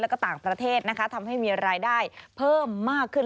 แล้วก็ต่างประเทศนะคะทำให้มีรายได้เพิ่มมากขึ้น